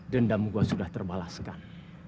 dendam gua sudah terbalaskan